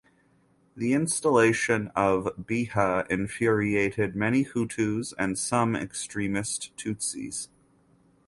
The installation of Biha infuriated many Hutus and some extremist Tutsis.